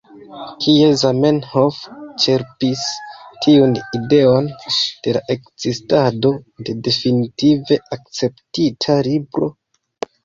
Kie Zamenhof ĉerpis tiun ideon de la ekzistado de definitive akceptita Libro?